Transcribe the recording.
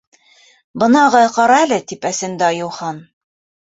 Бына, ағай, ҡара әле... — тип әсенде Айыухан.